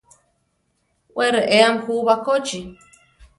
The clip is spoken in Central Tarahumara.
Wé reéami jú bakóchi.